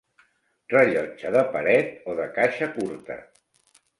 Rellotge de paret o de caixa curta.